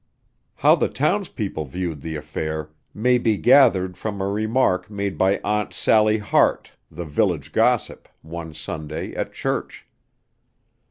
How the townspeople viewed the affair may be gathered from a remark made by Aunt Sally Hart, the village gossip, one Sunday at church.